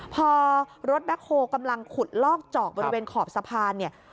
พอรถแบ็คโฮลกำลังขุดลอกเจาะบริเวณขอบสะพานเนี่ย